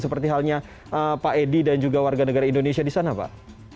seperti halnya pak edi dan juga warga negara indonesia di sana pak